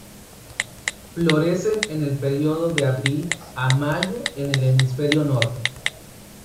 Florecen en el período de abril a mayo en el hemisferio norte.